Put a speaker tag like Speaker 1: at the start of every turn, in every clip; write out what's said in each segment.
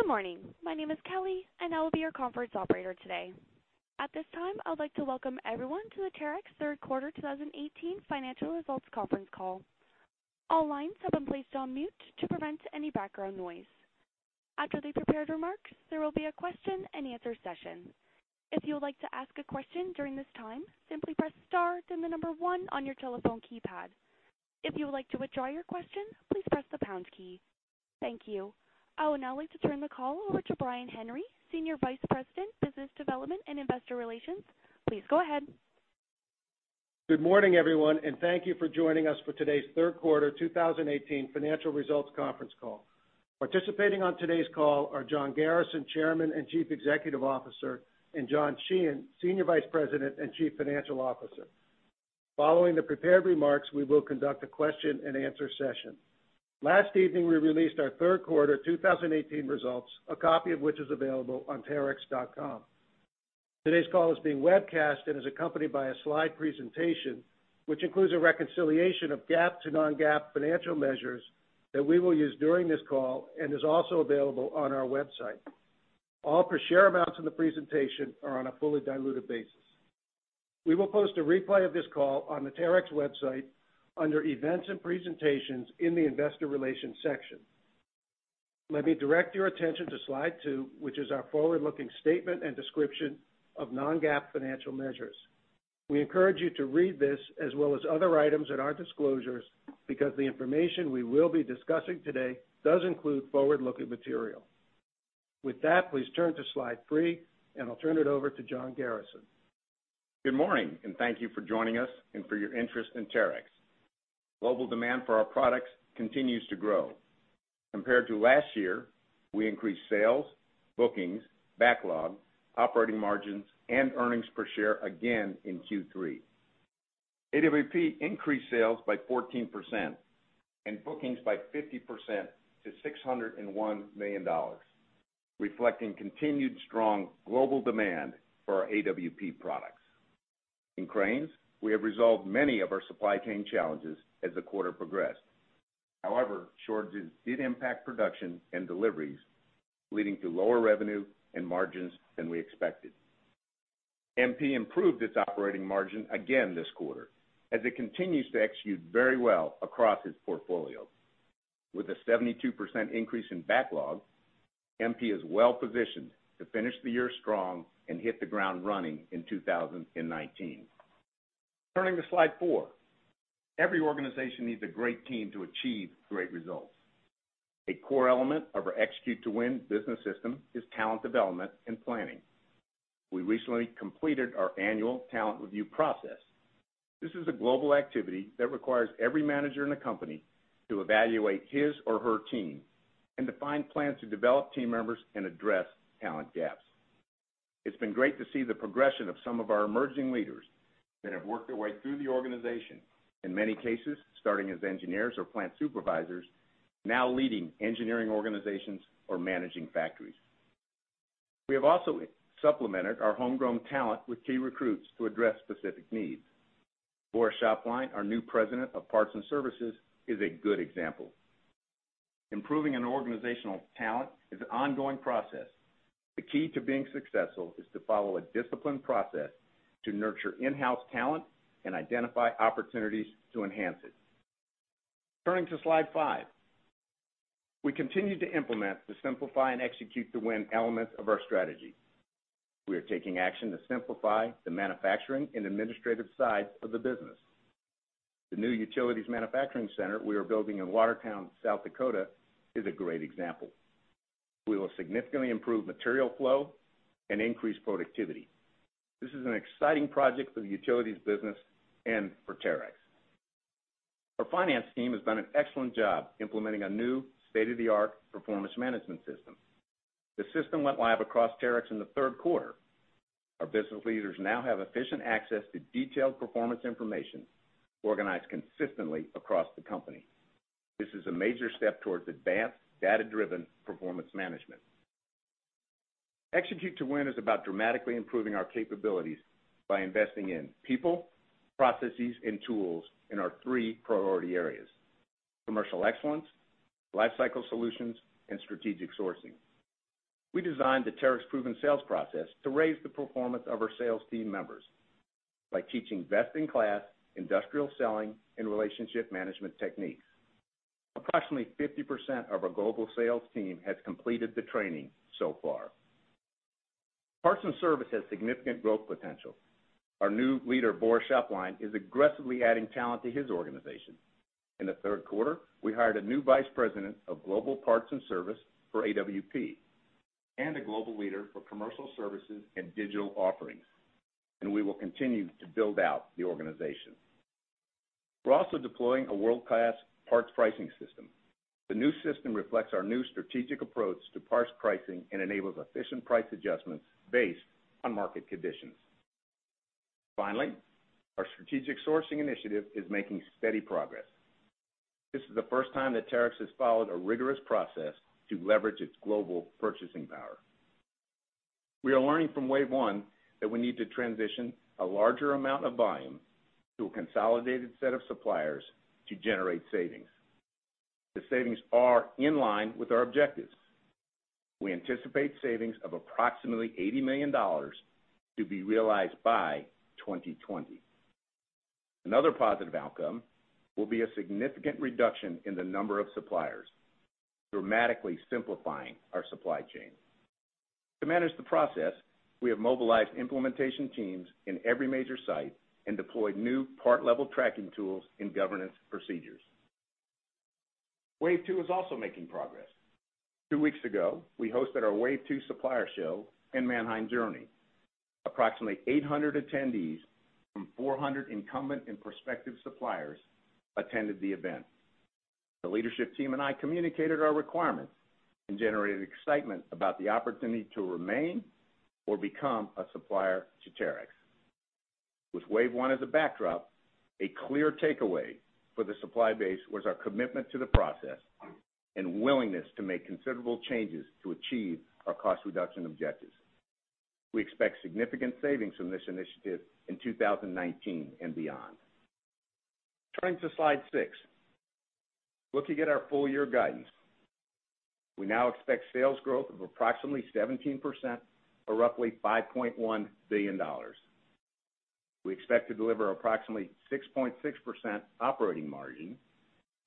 Speaker 1: Good morning. My name is Kelly and I will be your conference operator today. At this time, I would like to welcome everyone to the Terex Third Quarter 2018 Financial Results Conference Call. All lines have been placed on mute to prevent any background noise. After the prepared remarks, there will be a question and answer session. If you would like to ask a question during this time, simply press star then the number one on your telephone keypad. If you would like to withdraw your question, please press the pound key. Thank you. I would now like to turn the call over to Brian Henry, Senior Vice President, Business Development and Investor Relations. Please go ahead.
Speaker 2: Good morning, everyone, and thank you for joining us for today's third quarter 2018 financial results conference call. Participating on today's call are John Garrison, Chairman and Chief Executive Officer, and John Sheehan, Senior Vice President and Chief Financial Officer. Following the prepared remarks, we will conduct a question and answer session. Last evening, we released our third quarter 2018 results, a copy of which is available on terex.com. Today's call is being webcast and is accompanied by a slide presentation, which includes a reconciliation of GAAP to non-GAAP financial measures that we will use during this call and is also available on our website. All per share amounts in the presentation are on a fully diluted basis. We will post a replay of this call on the Terex website under Events and Presentations in the Investor Relations section. Let me direct your attention to slide two, which is our forward-looking statement and description of non-GAAP financial measures. We encourage you to read this as well as other items in our disclosures because the information we will be discussing today does include forward-looking material. With that, please turn to slide three, and I'll turn it over to John Garrison.
Speaker 3: Good morning, and thank you for joining us and for your interest in Terex. Global demand for our products continues to grow. Compared to last year, we increased sales, bookings, backlog, operating margins, and earnings per share again in Q3. AWP increased sales by 14% and bookings by 50% to $601 million, reflecting continued strong global demand for our AWP products. In Cranes, we have resolved many of our supply chain challenges as the quarter progressed. Shortages did impact production and deliveries, leading to lower revenue and margins than we expected. MP improved its operating margin again this quarter as it continues to execute very well across its portfolio. With a 72% increase in backlog, MP is well positioned to finish the year strong and hit the ground running in 2019. Turning to slide four. Every organization needs a great team to achieve great results. A core element of our Execute to Win business system is talent development and planning. We recently completed our annual talent review process. This is a global activity that requires every manager in the company to evaluate his or her team and define plans to develop team members and address talent gaps. It's been great to see the progression of some of our emerging leaders that have worked their way through the organization, in many cases, starting as engineers or plant supervisors, now leading engineering organizations or managing factories. We have also supplemented our homegrown talent with key recruits to address specific needs. Boris Schöpplein, our new President of Parts and Services, is a good example. Improving an organizational talent is an ongoing process. The key to being successful is to follow a disciplined process to nurture in-house talent and identify opportunities to enhance it. Turning to slide five. We continue to implement the Simplify and Execute to Win elements of our strategy. We are taking action to simplify the manufacturing and administrative side of the business. The new utilities manufacturing center we are building in Watertown, South Dakota, is a great example. We will significantly improve material flow and increase productivity. This is an exciting project for the utilities business and for Terex. Our finance team has done an excellent job implementing a new state-of-the-art performance management system. The system went live across Terex in the third quarter. Our business leaders now have efficient access to detailed performance information organized consistently across the company. This is a major step towards advanced data-driven performance management. Execute to Win is about dramatically improving our capabilities by investing in people, processes, and tools in our three priority areas, Commercial Excellence, Life Cycle Solutions, and Strategic Sourcing. We designed the Terex Proven Sales Process to raise the performance of our sales team members by teaching best-in-class industrial selling and relationship management techniques. Approximately 50% of our global sales team has completed the training so far. Parts and Service has significant growth potential. Our new leader, Boris Schöpplein, is aggressively adding talent to his organization. In the third quarter, we hired a new Vice President of Global Parts and Service for AWP and a Global Leader for Commercial Services and Digital Offerings, and we will continue to build out the organization. We're also deploying a world-class parts pricing system. The new system reflects our new strategic approach to parts pricing and enables efficient price adjustments based on market conditions. Finally, our strategic sourcing initiative is making steady progress. This is the first time that Terex has followed a rigorous process to leverage its global purchasing power. We are learning from wave one that we need to transition a larger amount of volume to a consolidated set of suppliers to generate savings. The savings are in line with our objectives. We anticipate savings of approximately $80 million to be realized by 2020. Another positive outcome will be a significant reduction in the number of suppliers, dramatically simplifying our supply chain. To manage the process, we have mobilized implementation teams in every major site and deployed new part-level tracking tools and governance procedures. Wave two is also making progress. Two weeks ago, we hosted our wave two supplier show in Mannheim, Germany. Approximately 800 attendees from 400 incumbent and prospective suppliers attended the event. The leadership team and I communicated our requirements and generated excitement about the opportunity to remain or become a supplier to Terex. With wave one as a backdrop, a clear takeaway for the supply base was our commitment to the process and willingness to make considerable changes to achieve our cost reduction objectives. We expect significant savings from this initiative in 2019 and beyond. Turning to slide six. Looking at our full-year guidance, we now expect sales growth of approximately 17%, or roughly $5.1 billion. We expect to deliver approximately 6.6% operating margin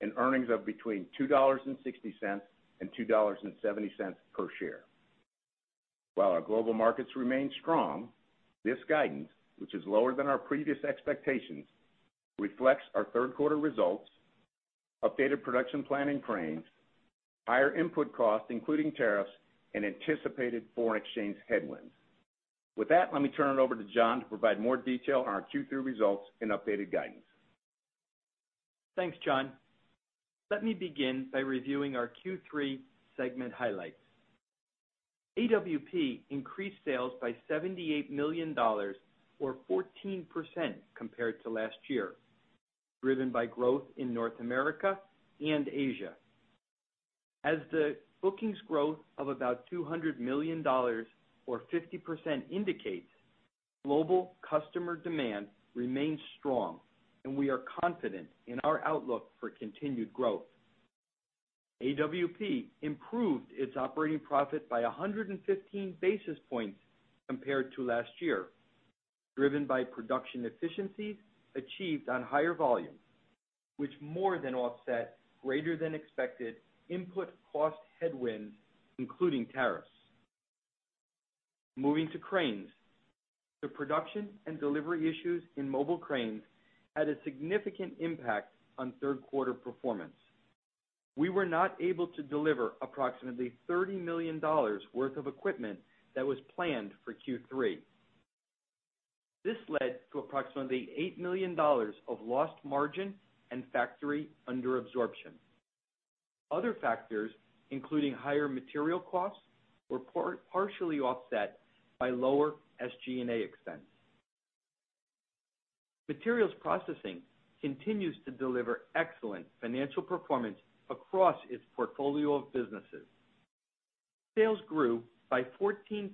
Speaker 3: and earnings of between $2.60 and $2.70 per share. While our global markets remain strong, this guidance, which is lower than our previous expectations, reflects our third quarter results, updated production planning frames, higher input costs, including tariffs, and anticipated foreign exchange headwinds. With that, let me turn it over to John to provide more detail on our Q3 results and updated guidance.
Speaker 4: Thanks, John. Let me begin by reviewing our Q3 segment highlights. AWP increased sales by $78 million, or 14% compared to last year, driven by growth in North America and Asia. As the bookings growth of about $200 million, or 50% indicates, global customer demand remains strong, and we are confident in our outlook for continued growth. AWP improved its operating profit by 115 basis points compared to last year, driven by production efficiencies achieved on higher volumes, which more than offset greater than expected input cost headwinds, including tariffs. Moving to cranes. The production and delivery issues in mobile cranes had a significant impact on third quarter performance. We were not able to deliver approximately $30 million worth of equipment that was planned for Q3. This led to approximately $8 million of lost margin and factory under absorption. Other factors, including higher material costs, were partially offset by lower SG&A expense. Materials Processing continues to deliver excellent financial performance across its portfolio of businesses. Sales grew by 14%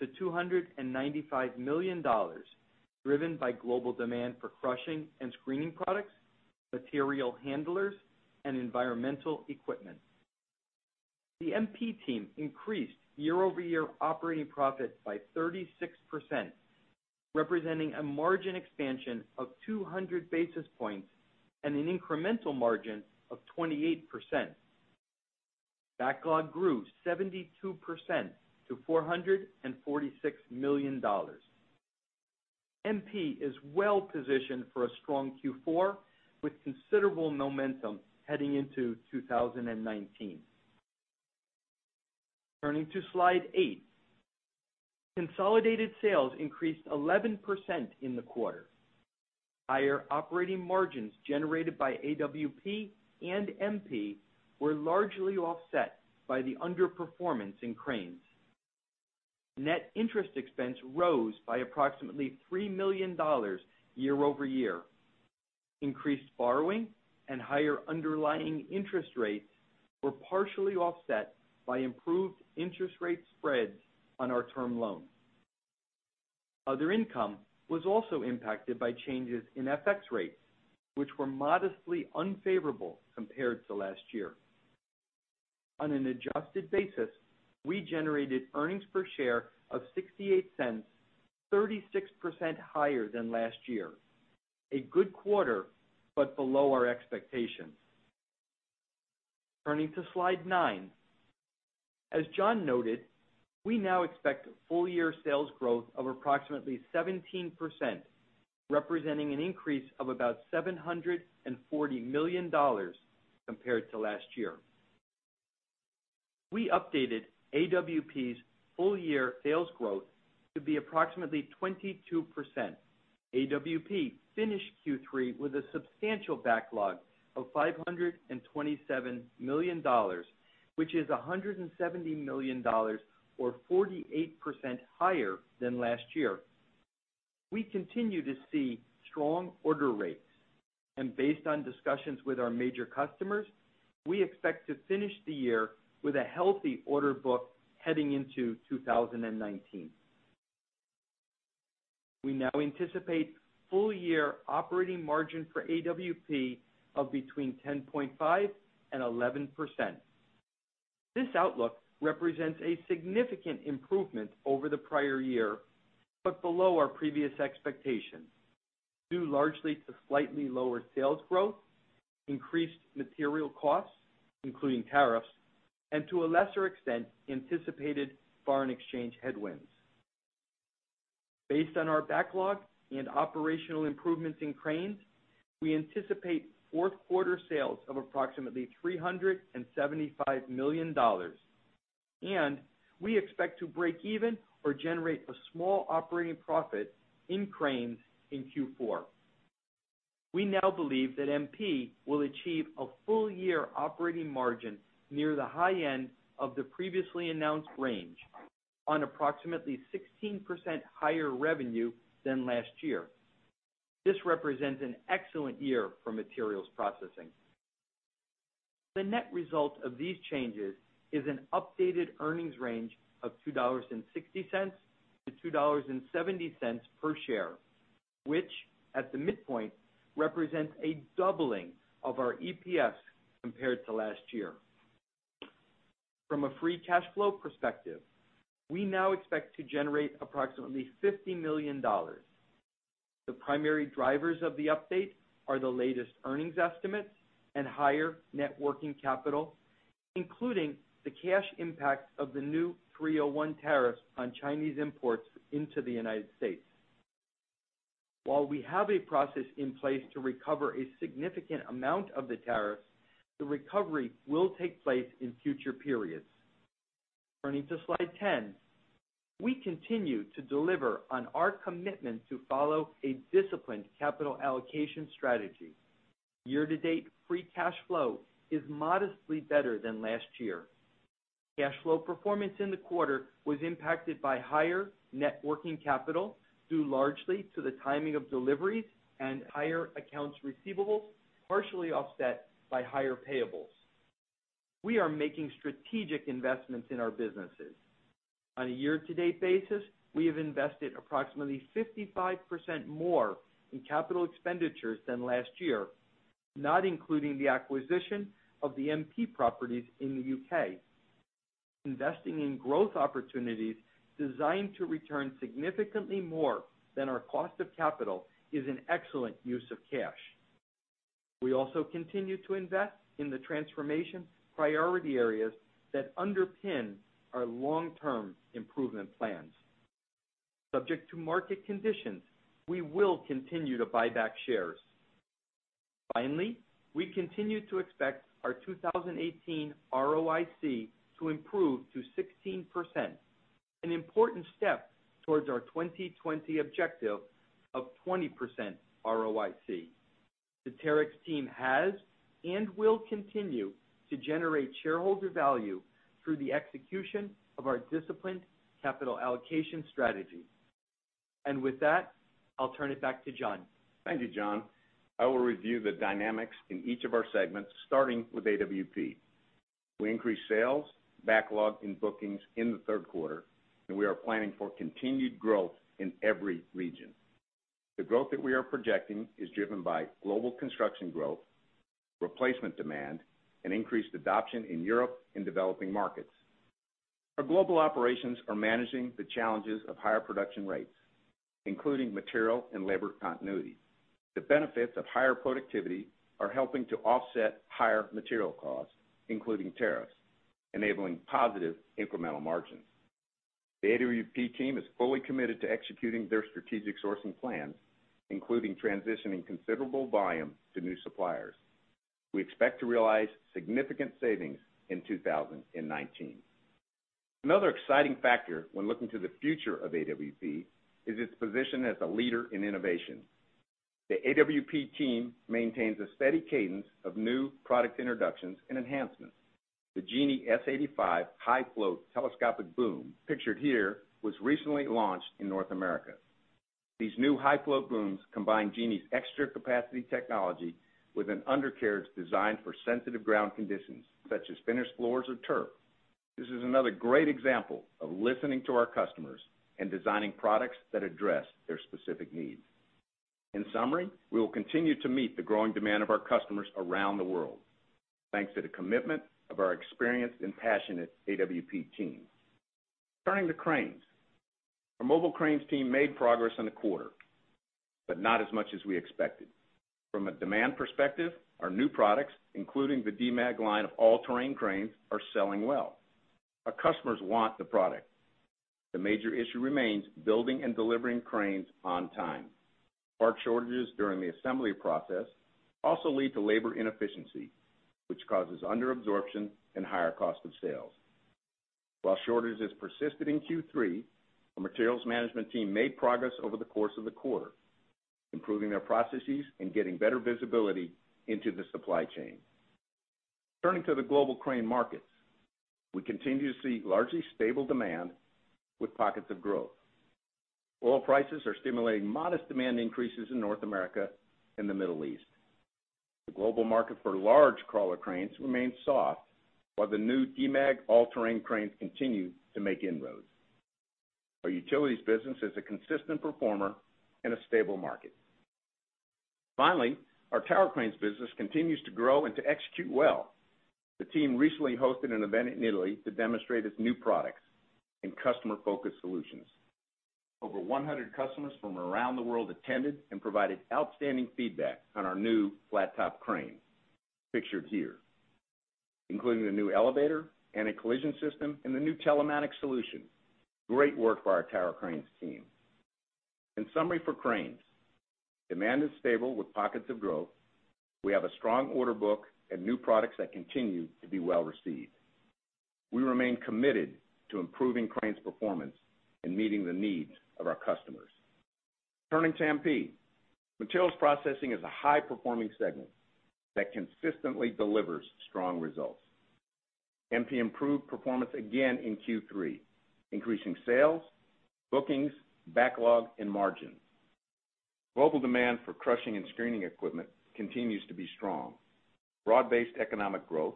Speaker 4: to $295 million, driven by global demand for crushing and screening products, material handlers, and environmental equipment. The MP team increased year-over-year operating profit by 36%, representing a margin expansion of 200 basis points and an incremental margin of 28%. Backlog grew 72% to $446 million. MP is well positioned for a strong Q4, with considerable momentum heading into 2019. Turning to slide eight. Consolidated sales increased 11% in the quarter. Higher operating margins generated by AWP and MP were largely offset by the underperformance in cranes. Net interest expense rose by approximately $3 million year-over-year. Increased borrowing and higher underlying interest rates were partially offset by improved interest rate spreads on our term loans. Other income was also impacted by changes in FX rates, which were modestly unfavorable compared to last year. On an adjusted basis, we generated earnings per share of $0.68, 36% higher than last year. A good quarter, but below our expectations. Turning to slide nine. As John noted, we now expect full-year sales growth of approximately 17%, representing an increase of about $740 million compared to last year. We updated AWP's full year sales growth to be approximately 22%. AWP finished Q3 with a substantial backlog of $527 million, which is $170 million, or 48% higher than last year. We continue to see strong order rates. Based on discussions with our major customers, we expect to finish the year with a healthy order book heading into 2019. We now anticipate full year operating margin for AWP of between 10.5% and 11%. This outlook represents a significant improvement over the prior year, but below our previous expectations, due largely to slightly lower sales growth, increased material costs, including tariffs, and to a lesser extent, anticipated foreign exchange headwinds. Based on our backlog and operational improvements in cranes, we anticipate fourth quarter sales of approximately $375 million. We expect to break even or generate a small operating profit in cranes in Q4. We now believe that MP will achieve a full year operating margin near the high end of the previously announced range on approximately 16% higher revenue than last year. This represents an excellent year for Materials Processing. The net result of these changes is an updated earnings range of $2.60-$2.70 per share, which at the midpoint, represents a doubling of our EPS compared to last year. From a free cash flow perspective, we now expect to generate approximately $50 million. The primary drivers of the update are the latest earnings estimates and higher net working capital, including the cash impact of the new Section 301 tariff on Chinese imports into the U.S. While we have a process in place to recover a significant amount of the tariff, the recovery will take place in future periods. Turning to Slide 10. We continue to deliver on our commitment to follow a disciplined capital allocation strategy. Year-to-date, free cash flow is modestly better than last year. Cash flow performance in the quarter was impacted by higher net working capital, due largely to the timing of deliveries and higher accounts receivables, partially offset by higher payables. We are making strategic investments in our businesses. On a year-to-date basis, we have invested approximately 55% more in capital expenditures than last year, not including the acquisition of the MP properties in the U.K. Investing in growth opportunities designed to return significantly more than our cost of capital is an excellent use of cash. We also continue to invest in the transformation priority areas that underpin our long-term improvement plans. Subject to market conditions, we will continue to buy back shares. Finally, we continue to expect our 2018 ROIC to improve to 16%, an important step towards our 2020 objective of 20% ROIC. The Terex team has and will continue to generate shareholder value through the execution of our disciplined capital allocation strategy. With that, I'll turn it back to John.
Speaker 3: Thank you, John. I will review the dynamics in each of our segments, starting with AWP. We increased sales, backlog, and bookings in the third quarter, and we are planning for continued growth in every region. The growth that we are projecting is driven by global construction growth, replacement demand, and increased adoption in Europe and developing markets. Our global operations are managing the challenges of higher production rates, including material and labor continuity. The benefits of higher productivity are helping to offset higher material costs, including tariffs, enabling positive incremental margins. The AWP team is fully committed to executing their strategic sourcing plan, including transitioning considerable volume to new suppliers. We expect to realize significant savings in 2019. Another exciting factor when looking to the future of AWP is its position as a leader in innovation. The AWP team maintains a steady cadence of new product introductions and enhancements. The Genie S-85 high float telescopic boom pictured here was recently launched in North America. These new high float booms combine Genie's extra capacity technology with an undercarriage designed for sensitive ground conditions, such as finished floors or turf. This is another great example of listening to our customers and designing products that address their specific needs. In summary, we will continue to meet the growing demand of our customers around the world, thanks to the commitment of our experienced and passionate AWP team. Turning to cranes. Our mobile cranes team made progress in the quarter, but not as much as we expected. From a demand perspective, our new products, including the Demag line of all-terrain cranes, are selling well. Our customers want the product. The major issue remains building and delivering cranes on time. Part shortages during the assembly process also lead to labor inefficiency, which causes under absorption and higher cost of sales. While shortages persisted in Q3, our materials management team made progress over the course of the quarter, improving their processes and getting better visibility into the supply chain. Turning to the global crane markets. We continue to see largely stable demand with pockets of growth. Oil prices are stimulating modest demand increases in North America and the Middle East. The global market for large crawler cranes remains soft, while the new Demag all-terrain cranes continue to make inroads. Our utilities business is a consistent performer in a stable market. Our tower cranes business continues to grow and to execute well. The team recently hosted an event in Italy to demonstrate its new products and customer-focused solutions. Over 100 customers from around the world attended and provided outstanding feedback on our new flat top crane, pictured here, including the new elevator and a collision system in the new telematics solution. Great work by our tower cranes team. In summary for cranes, demand is stable with pockets of growth. We have a strong order book and new products that continue to be well-received. We remain committed to improving cranes performance and meeting the needs of our customers. Turning to MP. Materials processing is a high-performing segment that consistently delivers strong results. MP improved performance again in Q3, increasing sales, bookings, backlog, and margins. Global demand for crushing and screening equipment continues to be strong. Broad-based economic growth,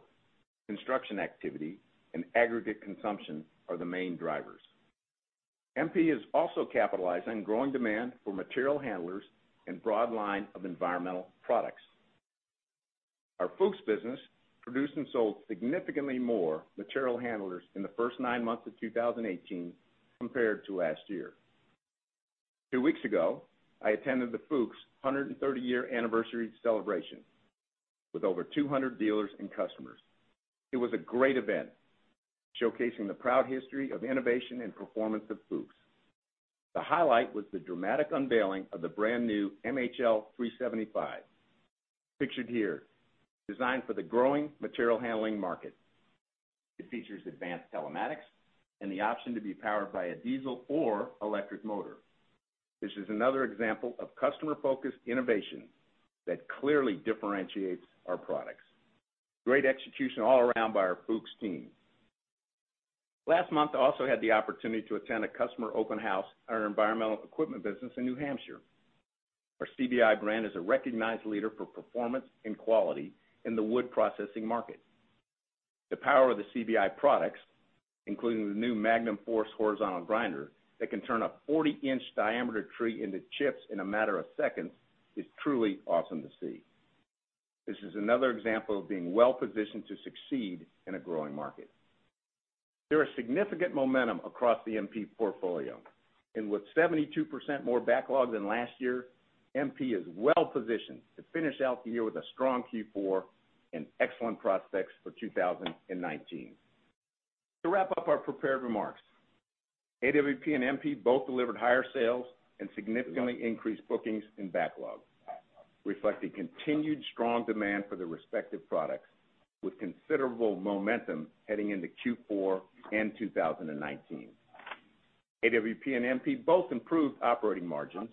Speaker 3: construction activity, and aggregate consumption are the main drivers. MP is also capitalizing on growing demand for material handlers and broad line of environmental products. Our Fuchs business produced and sold significantly more material handlers in the first nine months of 2018 compared to last year. Two weeks ago, I attended the Fuchs 130-year anniversary celebration with over 200 dealers and customers. It was a great event, showcasing the proud history of innovation and performance of Fuchs. The highlight was the dramatic unveiling of the brand new MHL375, pictured here, designed for the growing material handling market. It features advanced telematics and the option to be powered by a diesel or electric motor. This is another example of customer-focused innovation that clearly differentiates our products. Great execution all around by our Fuchs team. Last month, I also had the opportunity to attend a customer open house at our environmental equipment business in New Hampshire. Our CBI brand is a recognized leader for performance and quality in the wood processing market. The power of the CBI products, including the new Magnum Force horizontal grinder that can turn a 40-inch diameter tree into chips in a matter of seconds, is truly awesome to see. This is another example of being well-positioned to succeed in a growing market. There is significant momentum across the MP portfolio, and with 72% more backlog than last year, MP is well-positioned to finish out the year with a strong Q4 and excellent prospects for 2019. AWP and MP both delivered higher sales and significantly increased bookings and backlog, reflecting continued strong demand for their respective products with considerable momentum heading into Q4 and 2019. AWP and MP both improved operating margins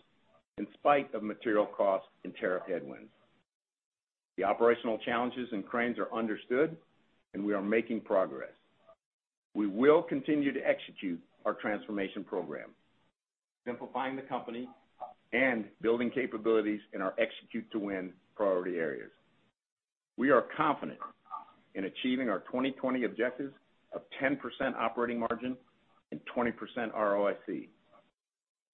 Speaker 3: in spite of material cost and tariff headwinds. The operational challenges in cranes are understood, and we are making progress. We will continue to execute our transformation program, simplifying the company and building capabilities in our Execute to Win priority areas. We are confident in achieving our 2020 objectives of 10% operating margin and 20% ROIC.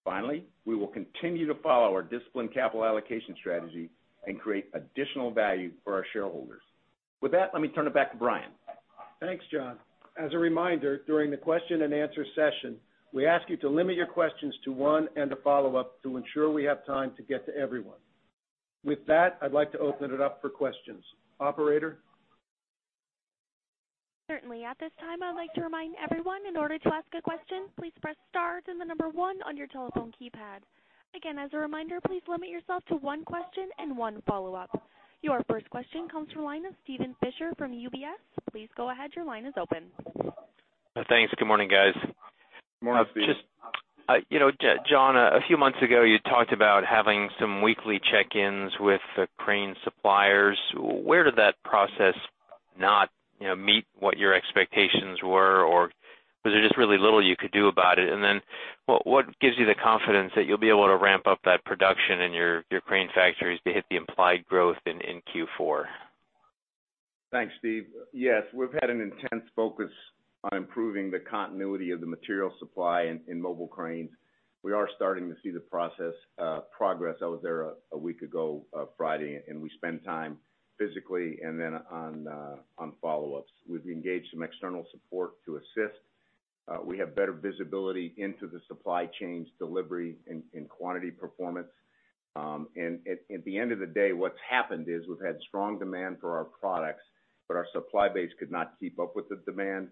Speaker 3: Finally, we will continue to follow our disciplined capital allocation strategy and create additional value for our shareholders. With that, let me turn it back to Brian.
Speaker 2: Thanks, John. As a reminder, during the question and answer session, we ask you to limit your questions to one and a follow-up to ensure we have time to get to everyone. With that, I'd like to open it up for questions. Operator?
Speaker 1: Certainly. At this time, I'd like to remind everyone, in order to ask a question, please press star then the number one on your telephone keypad. Again, as a reminder, please limit yourself to one question and one follow-up. Your first question comes from the line of Steven Fisher from UBS. Please go ahead. Your line is open.
Speaker 5: Thanks. Good morning, guys.
Speaker 3: Good morning, Steve.
Speaker 5: John, a few months ago, you talked about having some weekly check-ins with the crane suppliers. Where did that process not meet what your expectations were? Or was it just really little you could do about it? What gives you the confidence that you'll be able to ramp up that production in your crane factories to hit the implied growth in Q4?
Speaker 3: Thanks, Steve. Yes, we've had an intense focus on improving the continuity of the material supply in mobile cranes. We are starting to see the progress. I was there a week ago, Friday, and we spent time physically and then on follow-ups. We've engaged some external support to assist. We have better visibility into the supply chains delivery and quantity performance. At the end of the day, what's happened is we've had strong demand for our products, but our supply base could not keep up with the demand.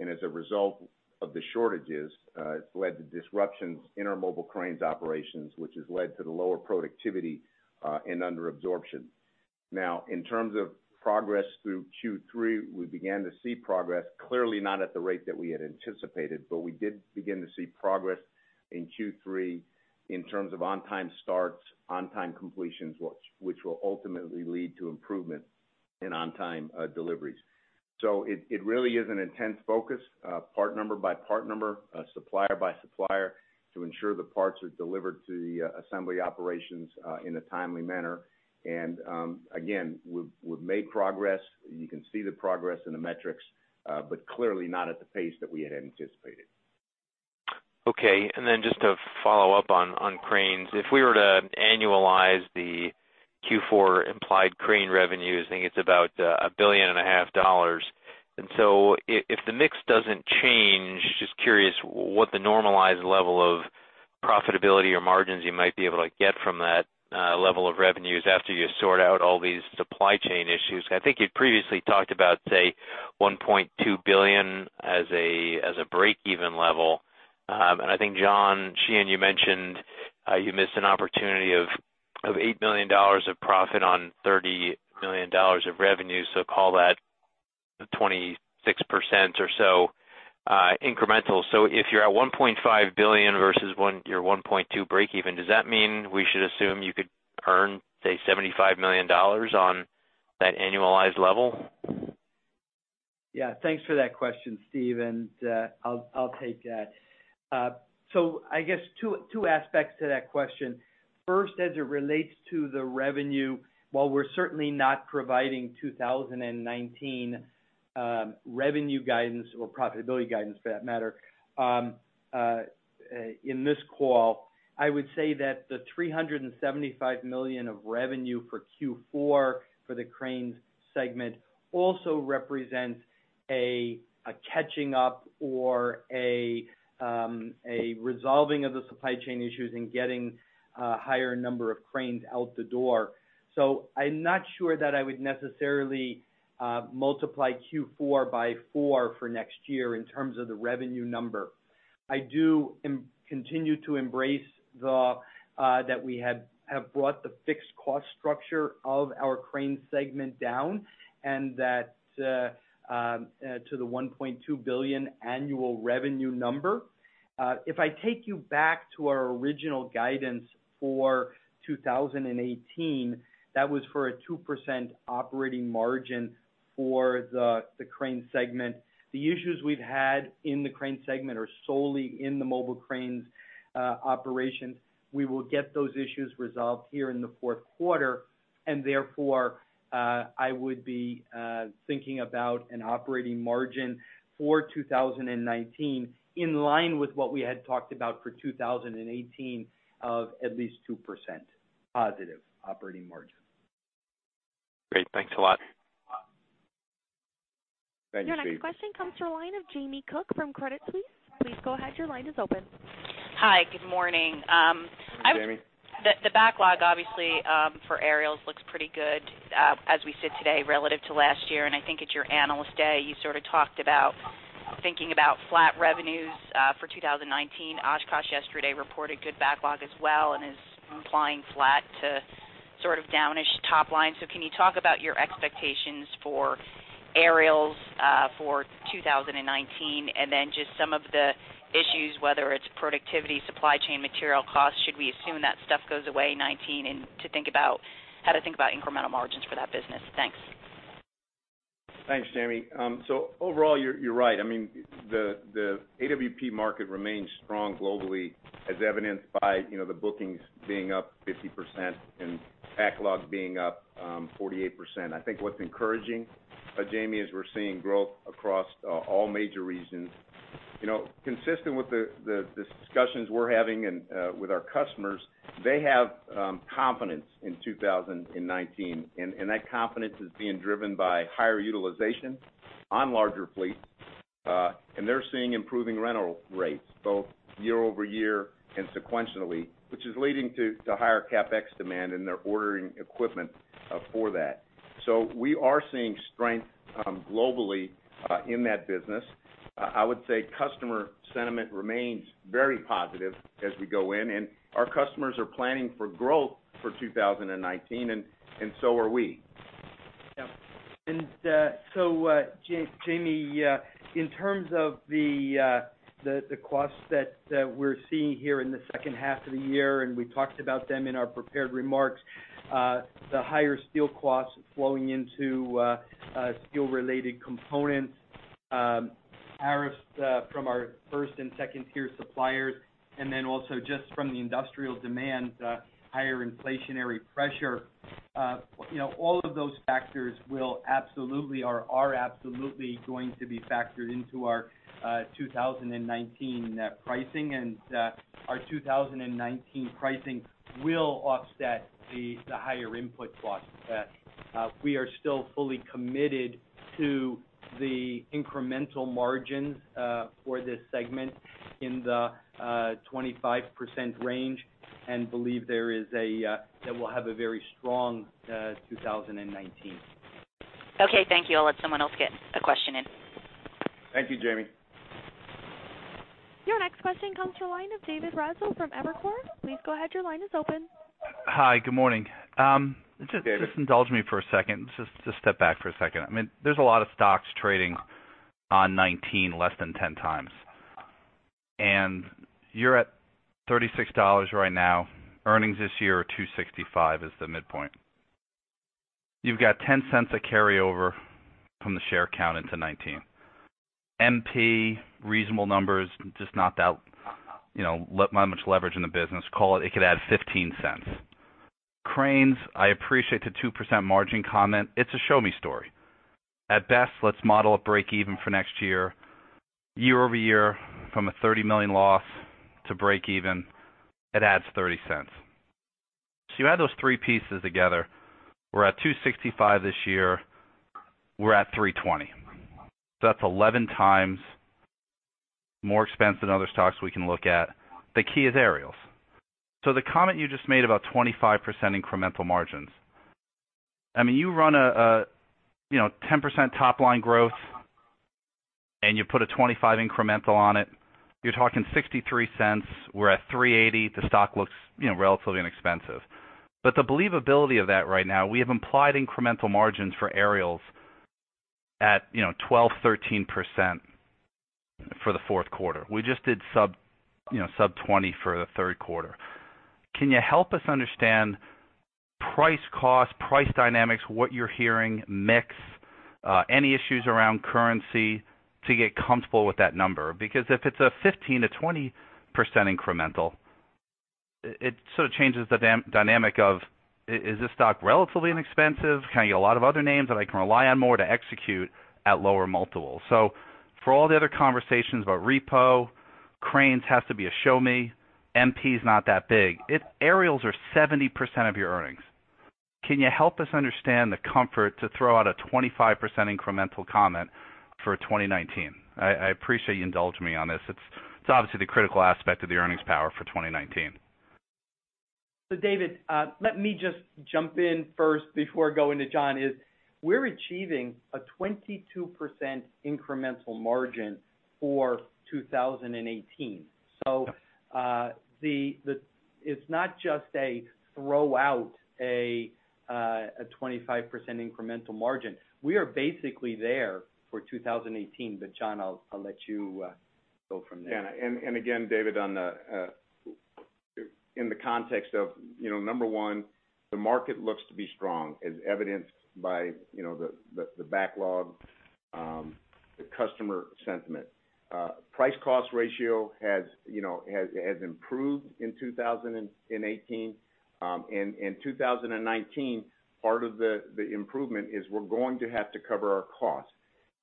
Speaker 3: As a result of the shortages, it's led to disruptions in our mobile cranes operations, which has led to the lower productivity and under absorption. In terms of progress through Q3, we began to see progress, clearly not at the rate that we had anticipated, but we did begin to see progress in Q3 in terms of on-time starts, on-time completions, which will ultimately lead to improvement in on-time deliveries. So it really is an intense focus, part number by part number, supplier by supplier, to ensure the parts are delivered to the assembly operations in a timely manner. Again, we've made progress. You can see the progress in the metrics, but clearly not at the pace that we had anticipated.
Speaker 5: Okay. Just to follow up on cranes. If we were to annualize the Q4 implied crane revenues, I think it's about $1.5 billion. If the mix doesn't change, just curious what the normalized level of profitability or margins you might be able to get from that level of revenues after you sort out all these supply chain issues. I think you'd previously talked about, say, $1.2 billion as a break-even level. I think, John Sheehan, you mentioned you missed an opportunity of $8 million of profit on $30 million of revenue, call that 26% or so incremental. If you're at $1.5 billion versus your $1.2 billion break-even, does that mean we should assume you could earn, say, $75 million on that annualized level?
Speaker 4: Yeah. Thanks for that question, Steve, I'll take that. I guess two aspects to that question. First, as it relates to the revenue, while we're certainly not providing 2019 revenue guidance or profitability guidance for that matter in this call, I would say that the $375 million of revenue for Q4 for the cranes segment also represents a catching up or a resolving of the supply chain issues and getting a higher number of cranes out the door. I'm not sure that I would necessarily multiply Q4 by 4 for next year in terms of the revenue number. I do continue to embrace that we have brought the fixed cost structure of our crane segment down, and that to the $1.2 billion annual revenue number. If I take you back to our original guidance for 2018, that was for a 2% operating margin for the crane segment. The issues we've had in the crane segment are solely in the mobile cranes operations. We will get those issues resolved here in the fourth quarter, and therefore, I would be thinking about an operating margin for 2019 in line with what we had talked about for 2018 of at least 2% positive operating margin.
Speaker 5: Great. Thanks a lot.
Speaker 3: Thank you, Steve.
Speaker 1: Your next question comes to the line of Jamie Cook from Credit Suisse. Please go ahead. Your line is open.
Speaker 6: Hi. Good morning.
Speaker 3: Good morning, Jamie.
Speaker 6: The backlog obviously, for aerials looks pretty good as we sit today relative to last year, and I think at your Analyst Day, you sort of talked about thinking about flat revenues for 2019. Oshkosh yesterday reported good backlog as well and is implying flat to sort of down-ish top line. Can you talk about your expectations for aerials for 2019, and then just some of the issues, whether it's productivity, supply chain material costs. Should we assume that stuff goes away in 2019? How to think about incremental margins for that business. Thanks.
Speaker 3: Thanks, Jamie. Overall, you're right. I mean, the AWP market remains strong globally as evidenced by the bookings being up 50% and backlog being up, 48%. I think what's encouraging, Jamie, is we're seeing growth across all major regions. Consistent with the discussions we're having and with our customers, they have confidence in 2019, and that confidence is being driven by higher utilization on larger fleets. They're seeing improving rental rates, both year-over-year and sequentially, which is leading to higher CapEx demand, and they're ordering equipment for that. We are seeing strength globally in that business. I would say customer sentiment remains very positive as we go in, and our customers are planning for growth for 2019, and so are we.
Speaker 4: Yeah. Jamie, in terms of the costs that we're seeing here in the second half of the year, we talked about them in our prepared remarks, the higher steel costs flowing into steel-related components, tariffs from our first and second-tier suppliers, and then also just from the industrial demand, higher inflationary pressure. All of those factors are absolutely going to be factored into our 2019 pricing, and our 2019 pricing will offset the higher input costs. We are still fully committed to the incremental margins for this segment in the 25% range and believe that we'll have a very strong 2019.
Speaker 6: Okay, thank you. I'll let someone else get a question in.
Speaker 3: Thank you, Jamie.
Speaker 1: Your next question comes to the line of David Raso from Evercore. Please go ahead. Your line is open.
Speaker 7: Hi. Good morning.
Speaker 3: David.
Speaker 7: Just indulge me for a second. Just step back for a second. There's a lot of stocks trading on 2019 less than 10 times. You're at $36 right now. Earnings this year are $2.65 is the midpoint. You've got $0.10 of carryover from the share count into 2019. MP, reasonable numbers, just not much leverage in the business. Call it could add $0.15. Cranes, I appreciate the 2% margin comment. It's a show-me story. At best, let's model a break even for next year. Year-over-year from a $30 million loss to break even, it adds $0.30. You add those three pieces together, we're at $2.65 this year, we're at $3.20. That's 11 times more expensive than other stocks we can look at. The key is Aerials. The comment you just made about 25% incremental margins. You run a 10% top-line growth, you put a 25% incremental on it, you're talking $0.63. We're at $3.80. The believability of that right now, we have implied incremental margins for Aerials at 12%, 13% for the fourth quarter. We just did sub-20% for the third quarter. Can you help us understand price-cost, price dynamics, what you're hearing, mix, any issues around currency to get comfortable with that number? If it's a 15%-20% incremental, it sort of changes the dynamic of, is this stock relatively inexpensive? Can I get a lot of other names that I can rely on more to execute at lower multiples? For all the other conversations about repo, Cranes has to be a show me, MP is not that big. Aerials are 70% of your earnings. Can you help us understand the comfort to throw out a 25% incremental comment for 2019? I appreciate you indulge me on this. It's obviously the critical aspect of the earnings power for 2019.
Speaker 4: David, let me just jump in first before going to John. We're achieving a 22% incremental margin for 2018.
Speaker 7: Yeah.
Speaker 4: It's not just a throw out a 25% incremental margin. We are basically there for 2018. John, I'll let you go from there.
Speaker 3: Again, David, in the context of number 1, the market looks to be strong as evidenced by the backlog, the customer sentiment. Price cost ratio has improved in 2018. In 2019, part of the improvement is we're going to have to cover our costs.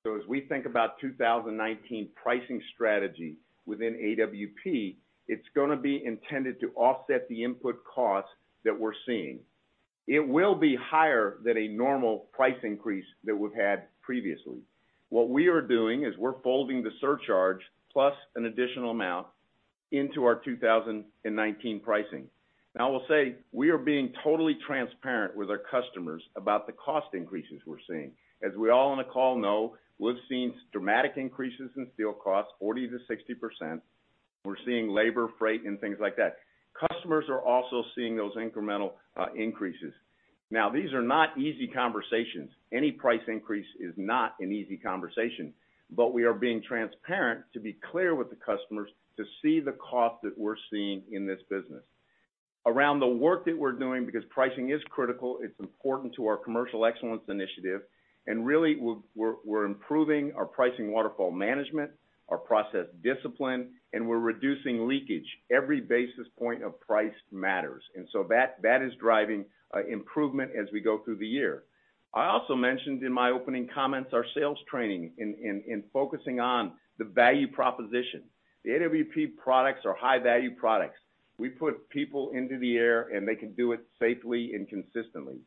Speaker 3: As we think about 2019 pricing strategy within AWP, it's going to be intended to offset the input costs that we're seeing. It will be higher than a normal price increase that we've had previously. What we are doing is we're folding the surcharge plus an additional amount into our 2019 pricing. I will say, we are being totally transparent with our customers about the cost increases we're seeing. As we all on the call know, we've seen dramatic increases in steel costs, 40%-60%. We're seeing labor, freight, and things like that. Customers are also seeing those incremental increases. These are not easy conversations. Any price increase is not an easy conversation. We are being transparent to be clear with the customers to see the cost that we're seeing in this business. Around the work that we're doing, because pricing is critical, it's important to our commercial excellence initiative, and really, we're improving our pricing waterfall management, our process discipline, and we're reducing leakage. Every basis point of price matters, that is driving improvement as we go through the year. I also mentioned in my opening comments our sales training in focusing on the value proposition. The AWP products are high-value products. We put people into the air, and they can do it safely and consistently.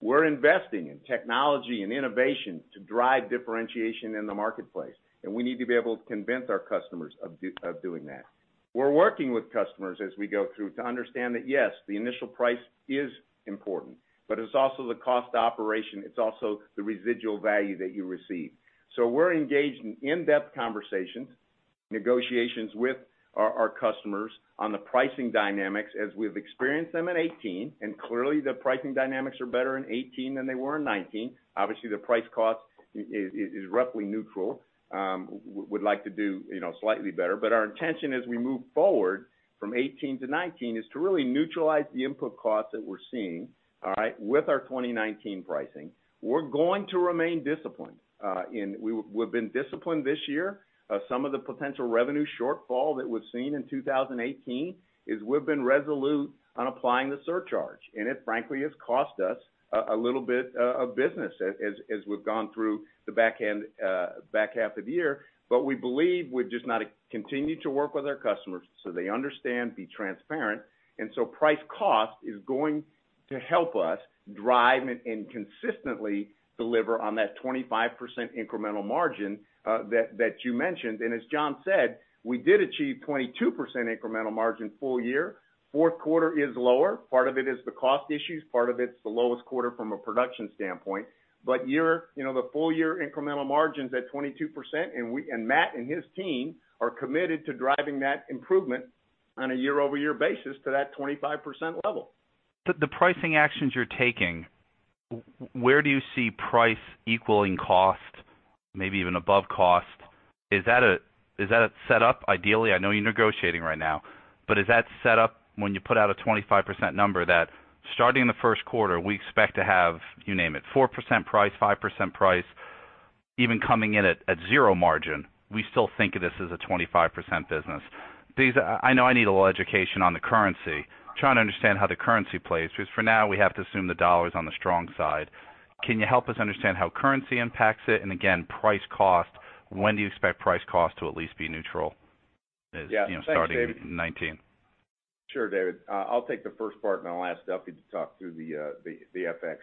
Speaker 3: We're investing in technology and innovation to drive differentiation in the marketplace, and we need to be able to convince our customers of doing that. We're working with customers as we go through to understand that, yes, the initial price is important, but it's also the cost to operation. It's also the residual value that you receive. We're engaged in in-depth conversations, negotiations with our customers on the pricing dynamics as we've experienced them in 2018. Clearly, the pricing dynamics are better in 2018 than they were in 2019. Obviously, the price cost is roughly neutral. We'd like to do slightly better. Our intention as we move forward from 2018 to 2019 is to really neutralize the input costs that we're seeing, all right, with our 2019 pricing. We're going to remain disciplined. We've been disciplined this year. Some of the potential revenue shortfall that we've seen in 2018 is we've been resolute on applying the surcharge, and it frankly has cost us a little bit of business as we've gone through the back half of the year. We believe we've just got to continue to work with our customers so they understand, be transparent. Price cost is going to help us drive and consistently deliver on that 25% incremental margin that you mentioned. As John said, we did achieve 22% incremental margin full year. Fourth quarter is lower. Part of it is the cost issues, part of it's the lowest quarter from a production standpoint. The full-year incremental margin's at 22%, and Matt and his team are committed to driving that improvement on a year-over-year basis to that 25% level.
Speaker 7: The pricing actions you're taking. Where do you see price equaling cost, maybe even above cost? Is that a setup ideally? I know you're negotiating right now, but is that set up when you put out a 25% number that starting in the first quarter, we expect to have, you name it, 4% price, 5% price, even coming in at zero margin, we still think of this as a 25% business? I know I need a little education on the currency, trying to understand how the currency plays, because for now, we have to assume the U.S. dollar is on the strong side. Can you help us understand how currency impacts it? Again, price cost, when do you expect price cost to at least be neutral.
Speaker 3: Yeah. Thanks, David.
Speaker 7: starting 2019?
Speaker 3: Sure, David. I'll take the first part. I'll ask Duffy to talk through the FX.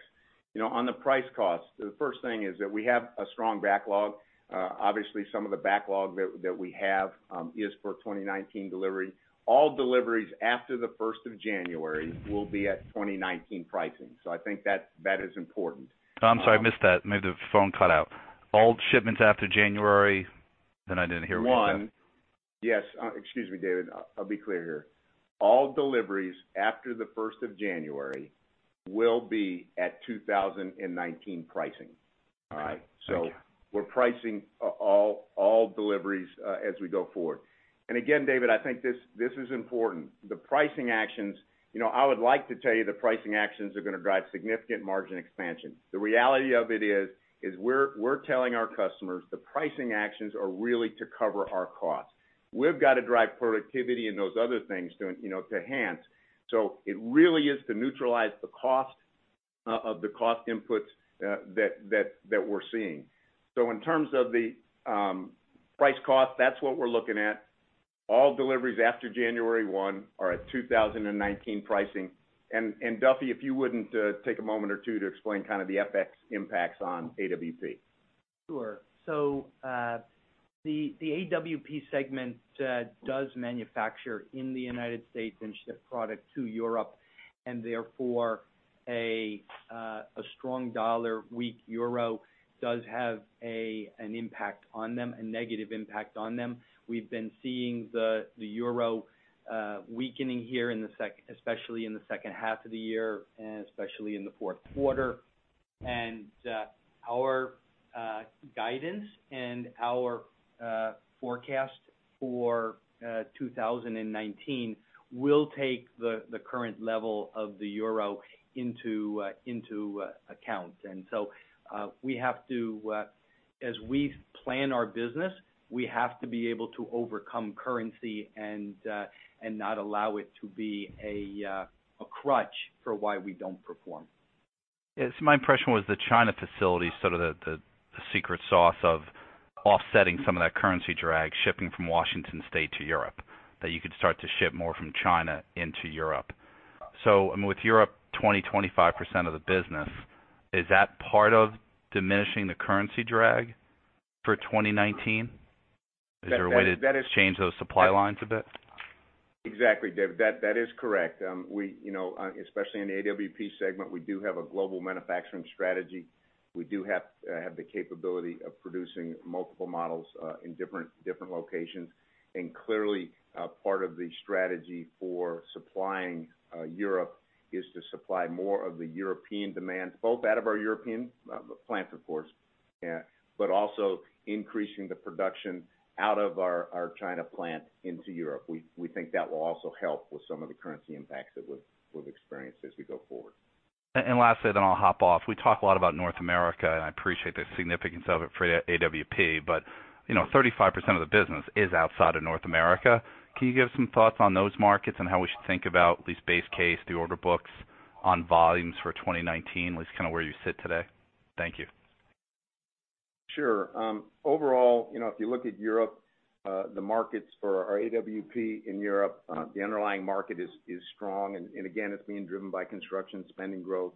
Speaker 3: On the price cost, the first thing is that we have a strong backlog. Obviously, some of the backlog that we have is for 2019 delivery. All deliveries after the first of January will be at 2019 pricing. I think that is important.
Speaker 7: I'm sorry, I missed that. Maybe the phone cut out. All shipments after January. I didn't hear what you said.
Speaker 3: One. Yes. Excuse me, David. I'll be clear here. All deliveries after the first of January will be at 2019 pricing. All right?
Speaker 7: Thank you.
Speaker 3: We're pricing all deliveries as we go forward. Again, David, I think this is important. I would like to tell you the pricing actions are going to drive significant margin expansion. The reality of it is we're telling our customers the pricing actions are really to cover our costs. We've got to drive productivity and those other things to enhance. It really is to neutralize the cost of the cost inputs that we're seeing. In terms of the price cost, that's what we're looking at. All deliveries after January 1 are at 2019 pricing. Duffy, if you wouldn't take a moment or two to explain kind of the FX impacts on AWP.
Speaker 4: Sure. The AWP segment does manufacture in the U.S. and ship product to Europe, and therefore a strong dollar, weak EUR does have a negative impact on them. We've been seeing the EUR weakening here, especially in the second half of the year and especially in the fourth quarter. Our guidance and our forecast for 2019 will take the current level of the EUR into account. As we plan our business, we have to be able to overcome currency and not allow it to be a crutch for why we don't perform.
Speaker 7: Yes. My impression was the China facility, sort of the secret sauce of offsetting some of that currency drag, shipping from Washington State to Europe, that you could start to ship more from China into Europe. With Europe 20%-25% of the business, is that part of diminishing the currency drag for 2019?
Speaker 3: That is-
Speaker 7: Is there a way to change those supply lines a bit?
Speaker 3: Exactly, David. That is correct. Especially in the AWP segment, we do have a global manufacturing strategy. We do have the capability of producing multiple models in different locations. Clearly, part of the strategy for supplying Europe is to supply more of the European demand, both out of our European plants, of course, but also increasing the production out of our China plant into Europe. We think that will also help with some of the currency impacts that we've experienced as we go forward.
Speaker 7: Lastly, then I'll hop off. We talk a lot about North America, and I appreciate the significance of it for AWP, but 35% of the business is outside of North America. Can you give some thoughts on those markets and how we should think about at least base case, the order books on volumes for 2019? At least kind of where you sit today. Thank you.
Speaker 3: Sure. Overall, if you look at Europe, the markets for our AWP in Europe, the underlying market is strong, and again, it's being driven by construction spending growth.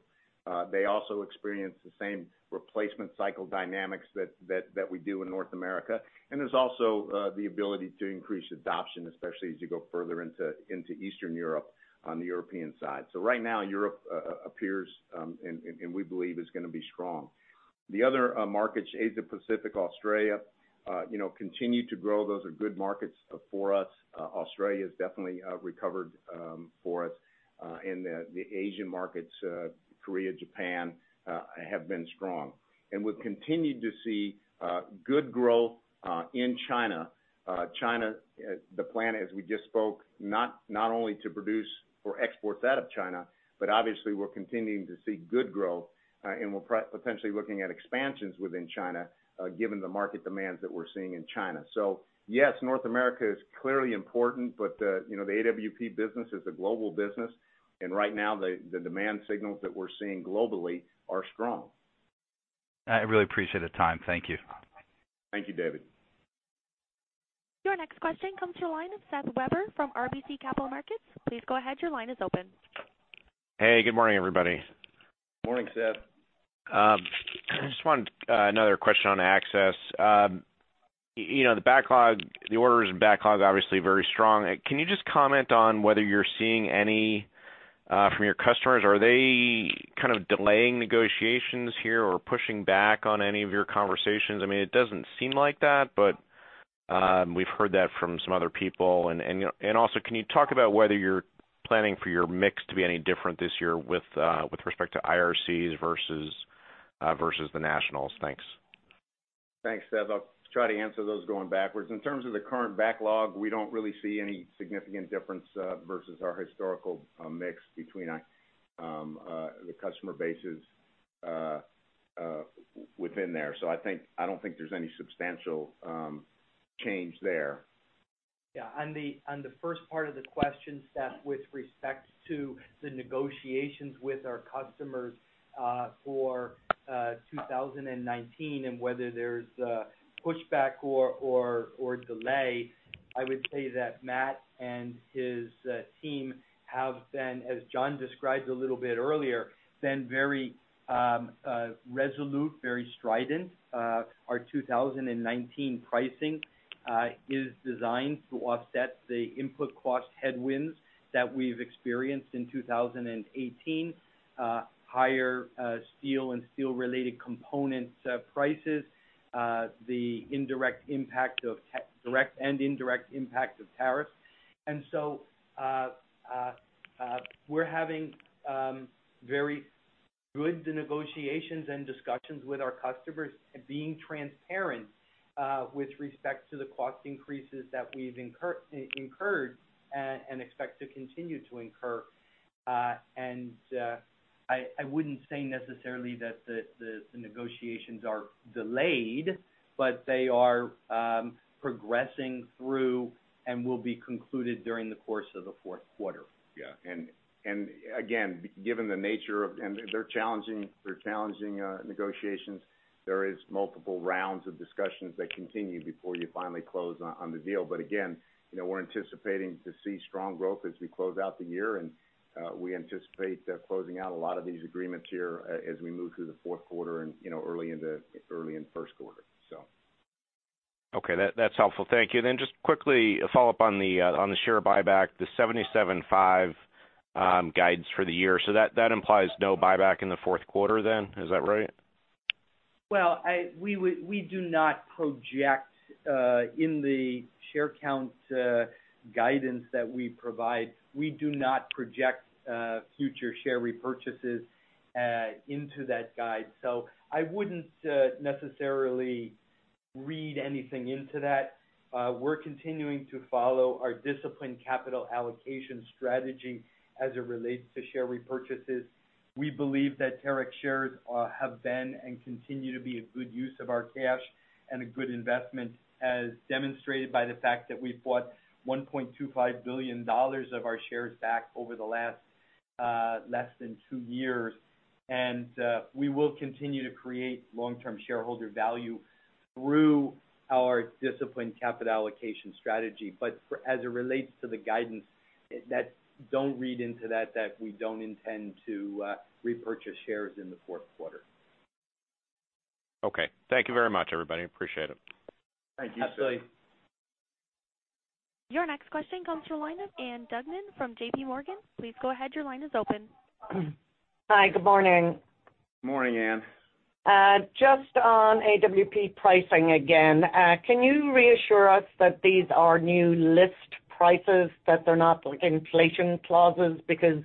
Speaker 3: They also experience the same replacement cycle dynamics that we do in North America, and there's also the ability to increase adoption, especially as you go further into Eastern Europe on the European side. Right now, Europe appears, and we believe is going to be strong. The other markets, Asia, Pacific, Australia continue to grow. Those are good markets for us. Australia's definitely recovered for us, and the Asian markets, Korea, Japan, have been strong. We've continued to see good growth in China. China, the plan as we just spoke, not only to produce for exports out of China, but obviously we're continuing to see good growth, and we're potentially looking at expansions within China, given the market demands that we're seeing in China. Yes, North America is clearly important, but the AWP business is a global business, and right now, the demand signals that we're seeing globally are strong.
Speaker 7: I really appreciate the time. Thank you.
Speaker 3: Thank you, David.
Speaker 1: Your next question comes to the line of Seth Weber from RBC Capital Markets. Please go ahead, your line is open.
Speaker 8: Hey, good morning, everybody.
Speaker 3: Morning, Seth.
Speaker 8: Just wanted another question on access. The orders backlog obviously very strong. Can you just comment on whether you're seeing any from your customers? Are they kind of delaying negotiations here or pushing back on any of your conversations? It doesn't seem like that, but we've heard that from some other people. Also, can you talk about whether you're planning for your mix to be any different this year with respect to IRCs versus the nationals? Thanks.
Speaker 3: Thanks, Seth. I'll try to answer those going backwards. In terms of the current backlog, we don't really see any significant difference versus our historical mix between the customer bases within there. I don't think there's any substantial change there.
Speaker 4: On the first part of the question, Seth, with respect to the negotiations with our customers for 2019 and whether there's a pushback or delay, I would say that Matt and his team have been, as John described a little bit earlier, been very resolute, very strident. Our 2019 pricing is designed to offset the input cost headwinds that we've experienced in 2018, higher steel and steel-related component prices, the direct and indirect impact of tariffs. We're having very good negotiations and discussions with our customers being transparent with respect to the cost increases that we've incurred and expect to continue to incur. I wouldn't say necessarily that the negotiations are delayed, but they are progressing through and will be concluded during the course of the fourth quarter.
Speaker 3: They're challenging negotiations. There is multiple rounds of discussions that continue before you finally close on the deal. Again, we're anticipating to see strong growth as we close out the year, and we anticipate closing out a lot of these agreements here as we move through the fourth quarter and early in first quarter.
Speaker 8: That's helpful. Thank you. Just quickly a follow-up on the share buyback, the $77.5 guidance for the year. That implies no buyback in the fourth quarter then? Is that right?
Speaker 4: Well, we do not project in the share count guidance that we provide. We do not project future share repurchases into that guide. I wouldn't necessarily read anything into that. We're continuing to follow our disciplined capital allocation strategy as it relates to share repurchases. We believe that Terex shares have been and continue to be a good use of our cash and a good investment, as demonstrated by the fact that we've bought $1.25 billion of our shares back over the last less than two years. We will continue to create long-term shareholder value through our disciplined capital allocation strategy. As it relates to the guidance, don't read into that we don't intend to repurchase shares in the fourth quarter.
Speaker 8: Okay. Thank you very much, everybody. Appreciate it.
Speaker 3: Thank you.
Speaker 4: Absolutely.
Speaker 1: Your next question comes from the line of Ann Duignan from JPMorgan. Please go ahead. Your line is open.
Speaker 9: Hi. Good morning.
Speaker 3: Morning, Ann.
Speaker 9: Just on AWP pricing again. Can you reassure us that these are new list prices, that they're not like inflation clauses? Because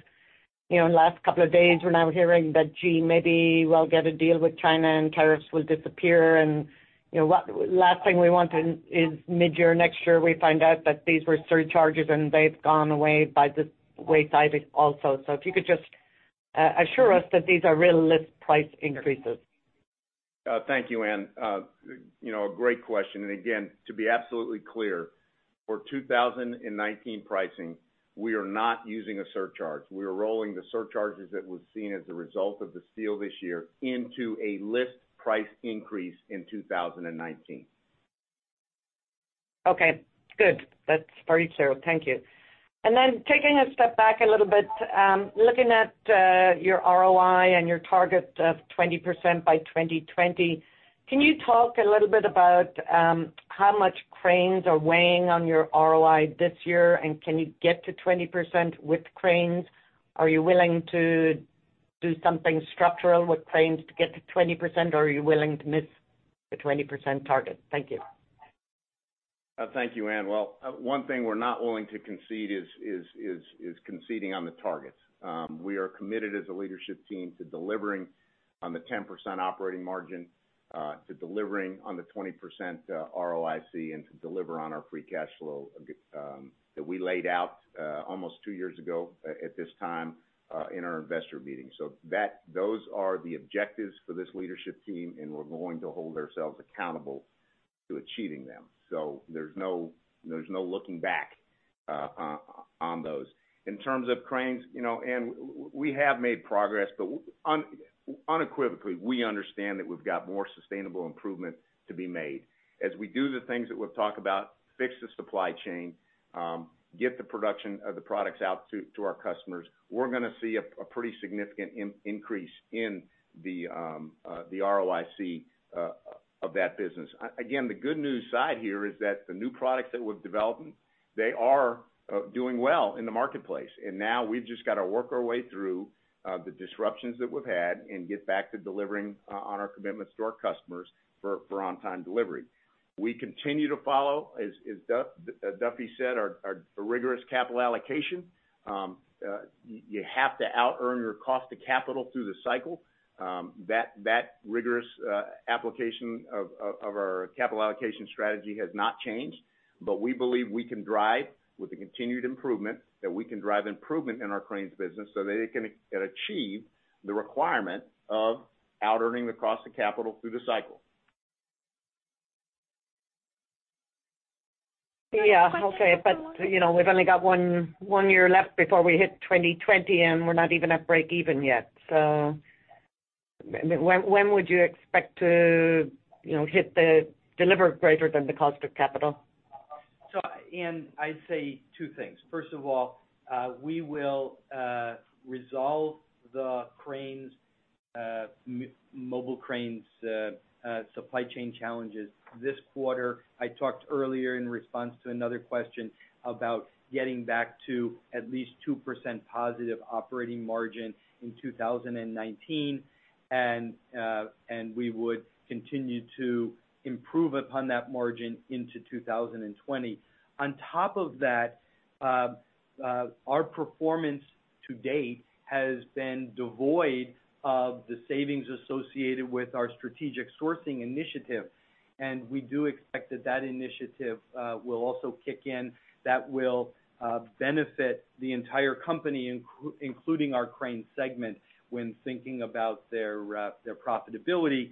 Speaker 9: in the last couple of days, we're now hearing that, gee, maybe we'll get a deal with China, and tariffs will disappear. The last thing we want is mid-year next year, we find out that these were surcharges and they've gone away by the wayside also. If you could just assure us that these are real list price increases.
Speaker 3: Thank you, Ann. A great question. Again, to be absolutely clear, for 2019 pricing, we are not using a surcharge. We are rolling the surcharges that was seen as a result of the steel this year into a list price increase in 2019.
Speaker 9: Okay, good. That's very clear. Thank you. Taking a step back a little bit, looking at your ROIC and your target of 20% by 2020, can you talk a little bit about how much Cranes are weighing on your ROIC this year? Can you get to 20% with Cranes? Are you willing to do something structural with Cranes to get to 20%, or are you willing to miss the 20% target? Thank you.
Speaker 3: Thank you, Ann. One thing we're not willing to concede is conceding on the targets. We are committed as a leadership team to delivering on the 10% operating margin, to delivering on the 20% ROIC, and to deliver on our free cash flow that we laid out almost two years ago at this time in our investor meeting. Those are the objectives for this leadership team, and we're going to hold ourselves accountable to achieving them. There's no looking back on those. In terms of Cranes, Ann, we have made progress, but unequivocally, we understand that we've got more sustainable improvement to be made. As we do the things that we've talked about, fix the supply chain, get the production of the products out to our customers, we're going to see a pretty significant increase in the ROIC of that business. Again, the good news side here is that the new products that we're developing. They are doing well in the marketplace. Now we've just got to work our way through the disruptions that we've had and get back to delivering on our commitments to our customers for on-time delivery. We continue to follow, as Duffy said, our rigorous capital allocation. You have to out-earn your cost to capital through the cycle. That rigorous application of our capital allocation strategy has not changed. We believe we can drive, with the continued improvement, that we can drive improvement in our Cranes business so that it can achieve the requirement of out-earning the cost of capital through the cycle.
Speaker 9: Okay. We've only got one year left before we hit 2020, and we're not even at breakeven yet. When would you expect to deliver greater than the cost of capital?
Speaker 4: Ann, I'd say two things. First of all, we will resolve the mobile cranes supply chain challenges this quarter. I talked earlier in response to another question about getting back to at least 2% positive operating margin in 2019, and we would continue to improve upon that margin into 2020. On top of that, our performance to date has been devoid of the savings associated with our strategic sourcing initiative, and we do expect that that initiative will also kick in. That will benefit the entire company, including our Crane segment when thinking about their profitability.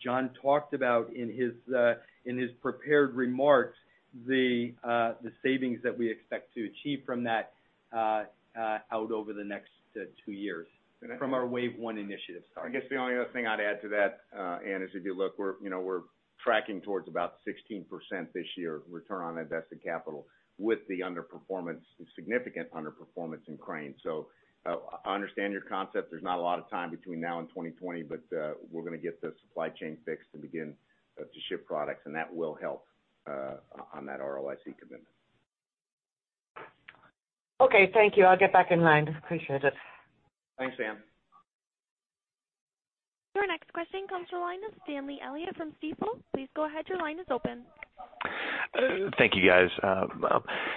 Speaker 4: John talked about, in his prepared remarks, the savings that we expect to achieve from that out over the next two years from our Wave One initiative, sorry.
Speaker 3: I guess the only other thing I'd add to that, Anne, is if you look, we're tracking towards about 16% this year ROIC with the underperformance, significant underperformance, in Cranes. I understand your concept. There's not a lot of time between now and 2020, but we're going to get the supply chain fixed and begin to ship products, and that will help on that ROIC commitment.
Speaker 9: Thank you. I'll get back in line. Appreciate it.
Speaker 3: Thanks, Anne.
Speaker 1: Your next question comes to the line of Stanley Elliott from Stifel. Please go ahead, your line is open.
Speaker 10: Thank you, guys.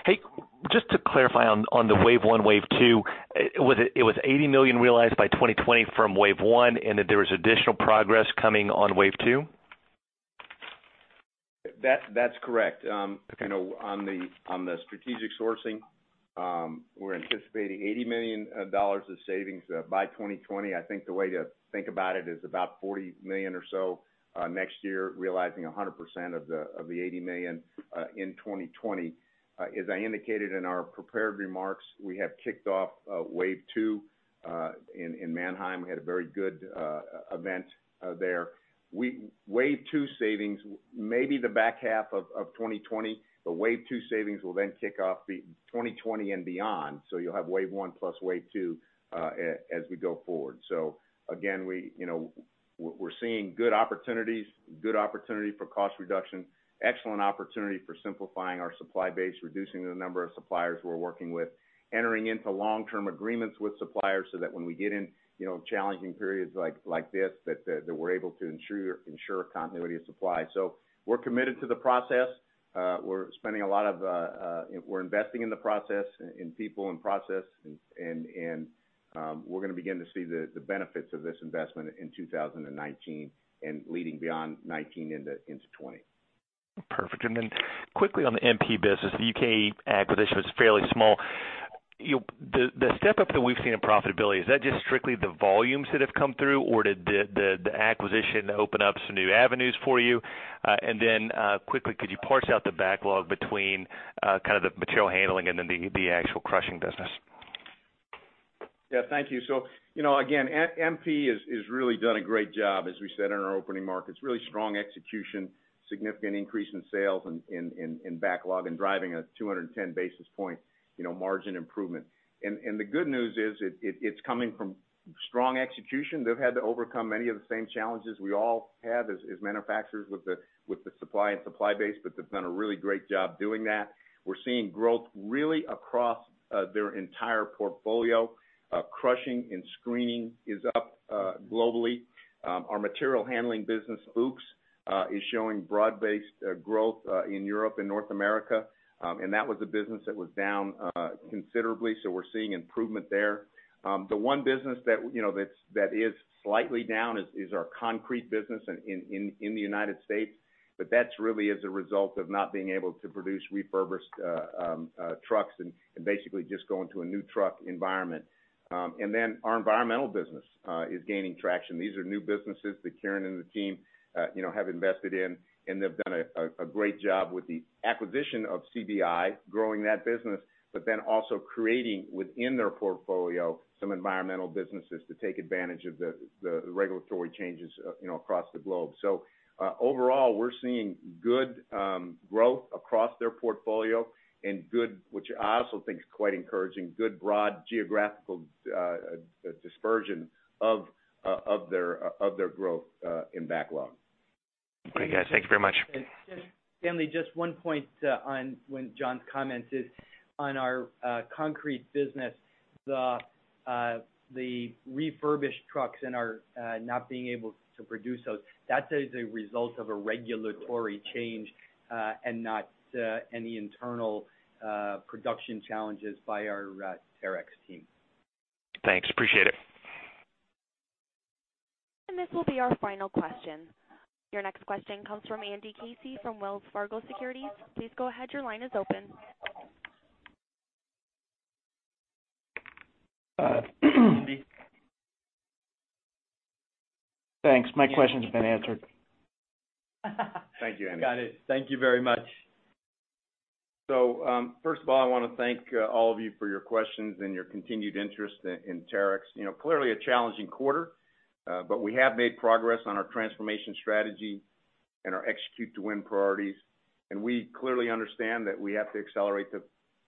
Speaker 10: Hey, just to clarify on the Wave One, Wave Two, it was $80 million realized by 2020 from Wave One. That there was additional progress coming on Wave Two?
Speaker 3: That's correct. On the strategic sourcing, we're anticipating $80 million of savings by 2020. I think the way to think about it is about $40 million or so next year, realizing 100% of the $80 million in 2020. As I indicated in our prepared remarks, we have kicked off Wave Two in Mannheim. We had a very good event there. Wave Two savings, maybe the back half of 2020. The Wave Two savings will kick off 2020 and beyond. You'll have Wave One plus Wave Two as we go forward. Again, we're seeing good opportunities, good opportunity for cost reduction, excellent opportunity for simplifying our supply base, reducing the number of suppliers we're working with, entering into long-term agreements with suppliers so that when we get in challenging periods like this, that we're able to ensure continuity of supply. We're committed to the process. We're investing in the process, in people and process, we're going to begin to see the benefits of this investment in 2019 and leading beyond 2019 into 2020.
Speaker 10: Perfect. Quickly on the MP business, the U.K. acquisition was fairly small. The step-up that we've seen in profitability, is that just strictly the volumes that have come through, or did the acquisition open up some new avenues for you? Quickly, could you parse out the backlog between kind of the material handling and the actual crushing business?
Speaker 3: Yeah, thank you. Again, MP has really done a great job, as we said in our opening remarks. It's really strong execution, significant increase in sales and backlog and driving a 210 basis point margin improvement. The good news is it's coming from strong execution. They've had to overcome many of the same challenges we all have as manufacturers with the supply and supply base, they've done a really great job doing that. We're seeing growth really across their entire portfolio. Crushing and screening is up globally. Our material handling business, Fuchs, is showing broad-based growth in Europe and North America. That was a business that was down considerably, so we're seeing improvement there. The one business that is slightly down is our concrete business in the U.S., that's really as a result of not being able to produce refurbished trucks and basically just going to a new truck environment. Our environmental business is gaining traction. These are new businesses that Kieran and the team have invested in, they've done a great job with the acquisition of CBI, growing that business, also creating within their portfolio some environmental businesses to take advantage of the regulatory changes across the globe. Overall, we're seeing good growth across their portfolio and good, which I also think is quite encouraging, good broad geographical dispersion of their growth in backlog.
Speaker 10: Okay, guys, thank you very much.
Speaker 4: Stanley, just one point on when John commented on our concrete business, the refurbished trucks and our not being able to produce those, that is a result of a regulatory change and not any internal production challenges by our Terex team.
Speaker 10: Thanks. Appreciate it.
Speaker 1: This will be our final question. Your next question comes from Andrew Casey from Wells Fargo Securities. Please go ahead, your line is open.
Speaker 3: Andy?
Speaker 11: Thanks. My question's been answered.
Speaker 3: Thank you, Andy. Got it. Thank you very much. First of all, I want to thank all of you for your questions and your continued interest in Terex. Clearly a challenging quarter, but we have made progress on our transformation strategy and our Execute to Win priorities, and we clearly understand that we have to accelerate the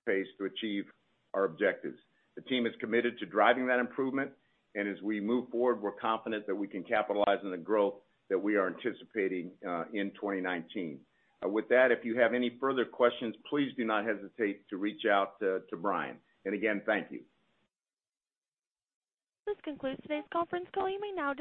Speaker 3: pace to achieve our objectives. The team is committed to driving that improvement, and as we move forward, we're confident that we can capitalize on the growth that we are anticipating in 2019. With that, if you have any further questions, please do not hesitate to reach out to Brian. Again, thank you.
Speaker 1: This concludes today's conference call. You may now disconnect.